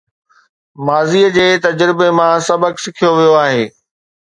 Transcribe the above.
ماضي جي تجربن مان سبق سکيو ويو آهي